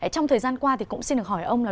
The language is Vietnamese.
trong thời gian qua thì cũng xin được hỏi ông là